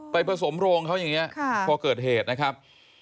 ผสมโรงเขาอย่างนี้พอเกิดเหตุนะครับ